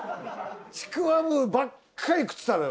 ちくわぶばっかり食ってたのよ